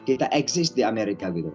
kita eksis di amerika